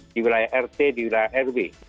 di wilayah rt di wilayah rw